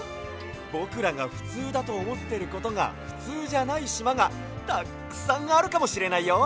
ぼくらがふつうだとおもってることがふつうじゃないしまがたっくさんあるかもしれないよ。